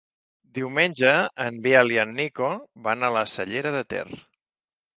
Diumenge en Biel i en Nico van a la Cellera de Ter.